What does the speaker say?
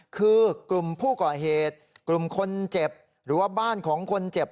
คือกลุ่มผู้ก่อเหตุกลุ่มคนเจ็บหรือว่าบ้านของคนเจ็บ